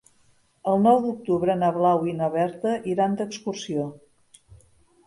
El nou d'octubre na Blau i na Berta iran d'excursió.